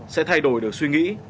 sẽ thay đổi được suy nghĩ